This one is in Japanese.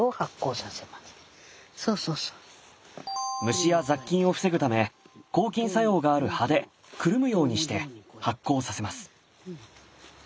虫や雑菌を防ぐため抗菌作用がある葉でくるむようにして発酵させます。